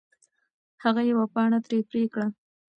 هغه یوه پاڼه ترې پرې کړه.